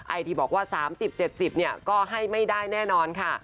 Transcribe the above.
ไอทีบอกว่า๓๐๗๐เนี่ยก็ให้ไม่ได้แน่นอนค่ะ